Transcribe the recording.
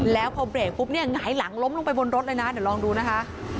แล้วพอเบรกปุ๊บเนี่ยหงายหลังล้มลงไปบนรถเลยนะเดี๋ยวลองดูนะคะ